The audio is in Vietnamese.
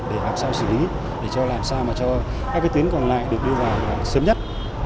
để làm sao xử lý để làm sao cho các tuyến còn lại được đưa vào sớm nhất